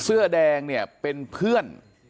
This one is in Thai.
เสื้อแดงเนี่ยเป็นเพื่อน